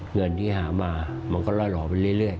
เงินที่หามามันก็หลอเบามันเรื่อย